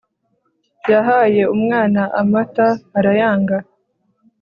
yahaye umwana amata arayanga